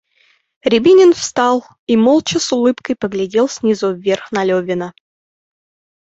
Рябинин встал и молча с улыбкой поглядел снизу вверх на Левина.